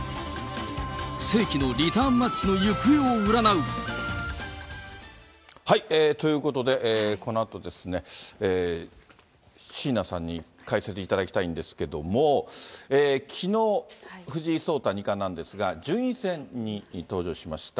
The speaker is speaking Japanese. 世紀のリターンマッチの行方を占ということで、このあとですね、椎名さんに解説いただきたいんですけれども、きのう、藤井聡太二冠なんですが、順位戦に登場しました。